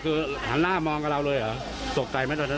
คือหันหน้ามองกับเราเลยเหรอตกใจไหมตอนนั้น